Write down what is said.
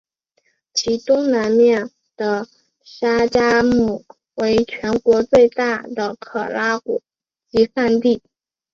其东南面的沙加穆为全国最大的可拉果集散地。